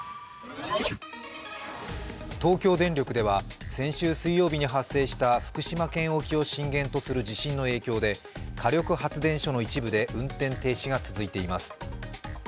東京電力では先週水曜日に発生した福島県沖を震源とする地震の影響で火力発電所の一部で運転停止が続いています。